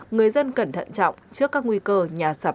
người dân cẩn thận trọng trước các nguy cơ nhà sập xa lỡ đất